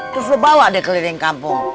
terus lu bawa deh keliling kampung